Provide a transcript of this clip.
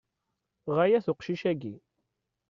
Ɣaya-t uqcic-agi.